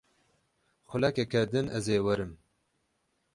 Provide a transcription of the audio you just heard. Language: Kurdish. Xulekeke din ez ê werim.